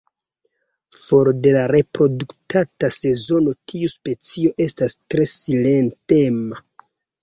For de la reprodukta sezono tiu specio estas tre silentema.